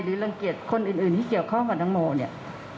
รังเกียจคนอื่นที่เกี่ยวข้องกับตังโมเนี่ย